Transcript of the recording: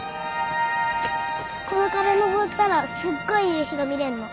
この壁登ったらすっごい夕日が見れんの。